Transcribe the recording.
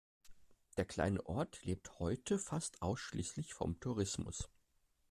Der kleine Ort lebt heute fast ausschließlich vom Tourismus.